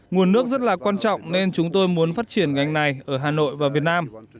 nguồn nước rất là quan trọng nên chúng tôi muốn phát triển ngành này ở hà nội và việt nam